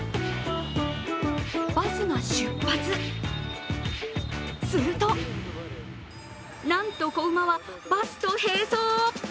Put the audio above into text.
バスが出発、するとなんと子馬はバスと並走。